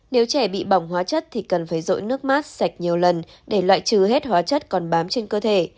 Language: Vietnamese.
nếu trẻ bị bỏng hóa chất thì cần phải rội nước mát sạch nhiều lần để loại trừ hết hóa chất còn bám trên cơ thể